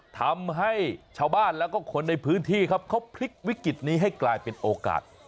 ทำให้ชาวบ้านแล้วก็คนในพื้นที่ครับเขาพลิกวิกฤตนี้ให้กลายเป็นโอกาส